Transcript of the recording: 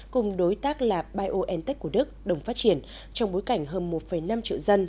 cùng đối tác là biontech của đức đồng phát triển trong bối cảnh hơn một năm triệu dân